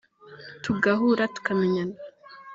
tugahura tukamenyana